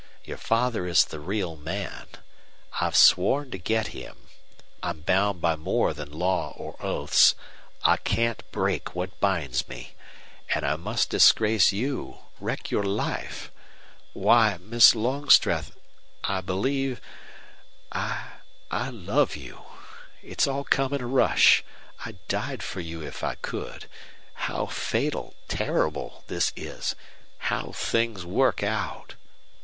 Your father is the real man. I've sworn to get him. I'm bound by more than law or oaths. I can't break what binds me. And I must disgrace you wreck your lifer Why, Miss Longstreth, I believe I I love you. It's all come in a rush. I'd die for you if I could. How fatal terrible this is! How things work out!"